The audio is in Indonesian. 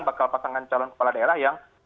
bakal pasangan calon kepala daerah yang